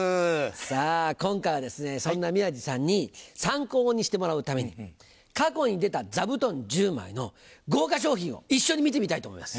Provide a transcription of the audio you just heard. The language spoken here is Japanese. さぁ今回はそんな宮治さんに参考にしてもらうために過去に出た座布団１０枚の豪華賞品を一緒に見てみたいと思います。